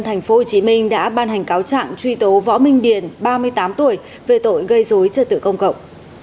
tp hcm đã ban hành cáo trạng truy tố võ minh điền ba mươi tám tuổi về tội gây dối trật tự công cộng